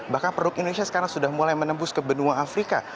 bahkan produk indonesia sekarang sudah mulai menembus ke benua afrika